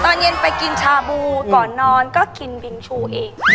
ตอนเย็นไปกินชาบูถึงก่อนอนกินบรินทรูเอง